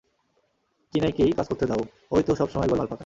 কিনাইকেই কাজটা করতে দাও, ও-ই তো সবসময় গোলমাল পাকায়।